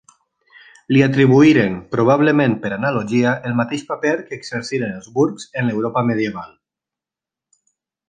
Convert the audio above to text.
Li atribuïren, probablement per analogia, el mateix paper que exerciren els burgs en l'Europa medieval.